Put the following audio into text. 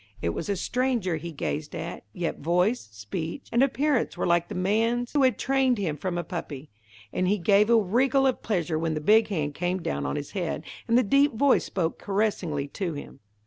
It was a stranger he gazed at, yet voice, speech, and appearance were like the man's who had trained him from a puppy, and he gave a wriggle of pleasure when the big hand came down on his head, and the deep voice spoke caressingly to him.